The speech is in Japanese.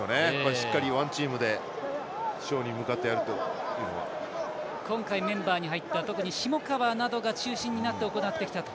しっかりＯｎｅＴｅａｍで勝利に向かってやるというのは今回、メンバーに入った特に下川などが中心になって行ってきたと。